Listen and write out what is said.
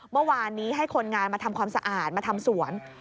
เมื่อวานนี้ให้คนงานมาทำความสะอาดมาทำสวน